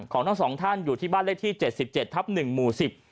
ของทั้งสองท่านอยู่ที่บ้านเลขที่๗๗๑หมู่๑๐